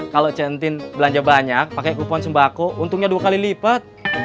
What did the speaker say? kalau centin belanja banyak pakai kupon sembako untungnya dua kali lipat